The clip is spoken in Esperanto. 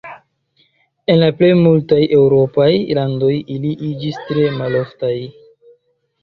En la plej multaj eŭropaj landoj ili iĝis tre maloftaj.